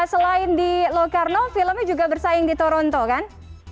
selain di locarno filmnya juga bersaing di toronto kan